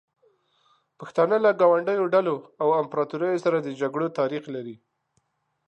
پښتانه له ګاونډیو ډلو او امپراتوریو سره د جګړو تاریخ لري.